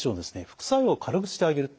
副作用を軽くしてあげる。